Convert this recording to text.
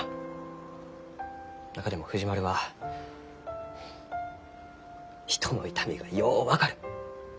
中でも藤丸は人の痛みがよう分かる。